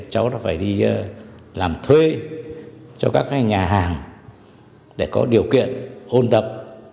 cháu đã phải đi làm thuê cho các nhà hàng để có điều kiện ôn tập